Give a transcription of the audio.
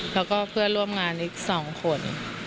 แล้วก็เพื่อนร่วมงานอีก๒คน